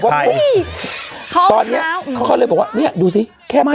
แบบว่าเฮ้ยเขาเข้าเข้าเขาเลยบอกว่าเนี่ยดูสิแค่เป็น